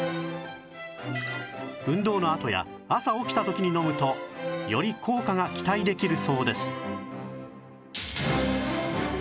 運動のあとや朝起きた時に飲むとより効果が期待できるそうです